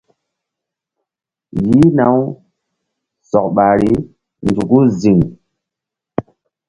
Yi̧hna-u sɔk ɓahri nzuku ziŋ.